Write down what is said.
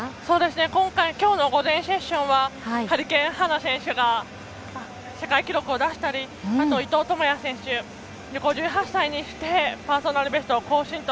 今回今日の午前セッションはハリケーン・ハンナ選手が世界記録を出したり伊藤智也選手が５８歳にしてパーソナルベストを更新と。